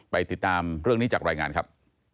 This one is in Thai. ติดตามเรื่องนี้จากรายงานครับ